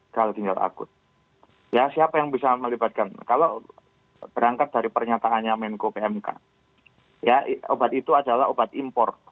kalau berangkat dari pernyataannya menko pmk obat itu adalah obat impor